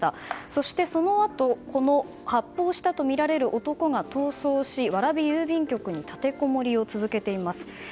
そして、そのあとこの発砲したとみられる男が逃走し、蕨郵便局に立てこもりを続けています。